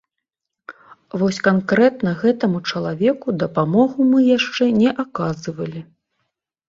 Вось канкрэтна гэтаму чалавеку дапамогу мы яшчэ не аказывалі.